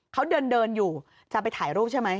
เขาเดินอยู่จะไปถ่ายรูปใช่ไหม